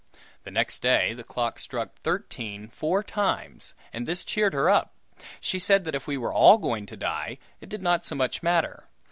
The next day the clock struck thirteen four times and this cheered her up. She said that if we were all going to die, it did not so much matter.